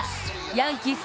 ヤンキース！